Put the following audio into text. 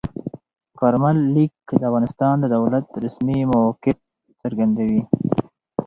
کارمل لیک د افغانستان د دولت رسمي موقف څرګندوي.